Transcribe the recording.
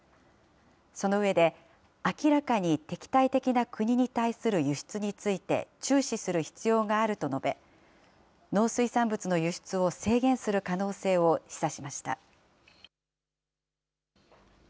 その上で、明らかに敵対的な国に対する輸出について注視する必要があると述べ、農水産物の輸出を制限する可能性を示唆しました。